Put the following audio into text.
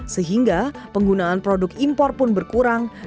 sehingga penggunaan produk impor pun berkurang